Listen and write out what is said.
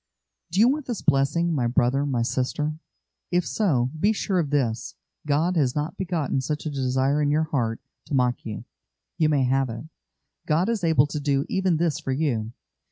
Do you want this blessing, my brother, my sister? If so, be sure of this: God has not begotten such a desire in your heart to mock you; you may have it. God is able to do even this for you.